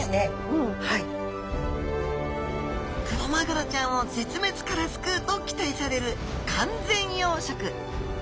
クロマグロちゃんを絶滅から救うと期待される完全養殖。